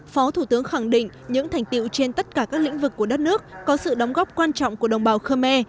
phó thủ tướng khẳng định những thành tiệu trên tất cả các lĩnh vực của đất nước có sự đóng góp quan trọng của đồng bào khơ me